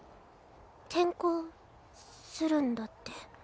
転校するんだって。